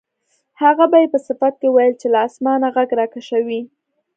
هغه به یې په صفت کې ویل چې له اسمانه غږ راکشوي.